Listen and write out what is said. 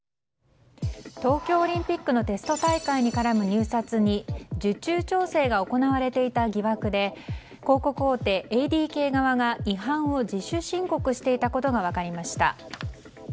東京オリンピックのテスト大会に絡む入札に受注調整が行われていた疑惑で広告大手ＡＤＫが違反を自主申告していたことが分かりました。